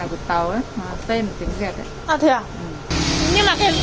không mà hàng tàu là không có giấy